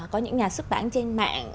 có những nhà xuất bản trên mạng